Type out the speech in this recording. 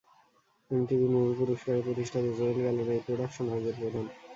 MTV movie পুরস্কারের প্রতিষ্ঠাতা Joel Galen এই প্রোডাকশন হাউজের প্রধান।